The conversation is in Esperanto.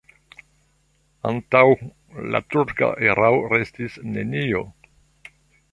Antaŭ la turka erao restis nenio.